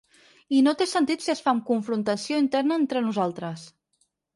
I no té sentit si es fa amb confrontació interna entre nosaltres.